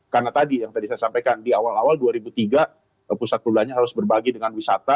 karena tadi yang tadi saya sampaikan di awal awal dua ribu tiga pusat perbelanjaan harus berbagi dengan wisata